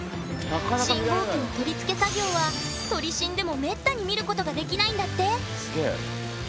信号機の取り付け作業は撮り信でもめったに見ることができないんだって！